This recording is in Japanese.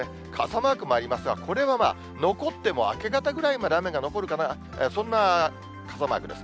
傘マークもありますが、これはまあ、残っても明け方ぐらいまで雨が残るかな、そんな傘マークです。